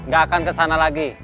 gak akan kesana lagi